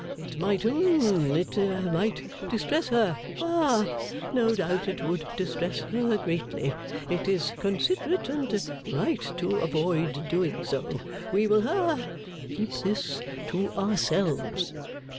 It might hum it might distress her. Ha. No doubt it would distress her greatly. It is considerate and right to avoid doing so. We will ha keep this to ourselves.